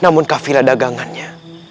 namun kafila dagangannya